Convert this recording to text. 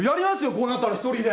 こうなったら１人で。